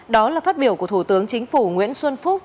đó là phát biểu của thủ tướng chính phủ nguyễn xuân phúc